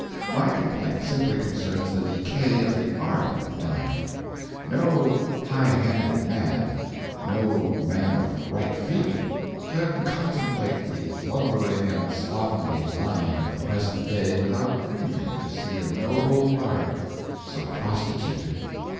My complaint simply concerns the decay of the art of lying. No high minded man, no man of right feeling, can contemplate the lumbering and slovenly lying of the present day without grieving to see a noble art so prostituted.